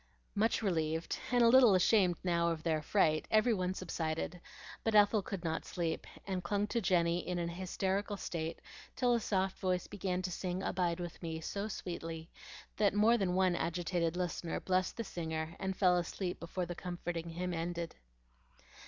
Much relieved, and a little ashamed now of their fright, every one subsided; but Ethel could not sleep, and clung to Jenny in an hysterical state till a soft voice began to sing "Abide with me" so sweetly that more than one agitated listener blessed the singer and fell asleep before the comforting hymn ended.